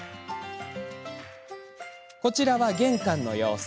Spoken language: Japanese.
こちらは玄関の様子。